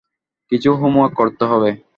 কিছু হোমওয়ার্ক করতে হবে।